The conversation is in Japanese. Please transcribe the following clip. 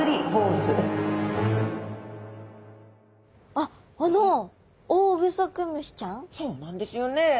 あっあのそうなんですよね。